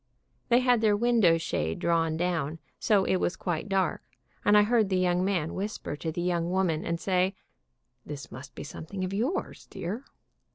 They had their window shade drawn down, so it was quite dark, and I heard the young man whisper to the young woman, and say, "This must be something of yours, dear."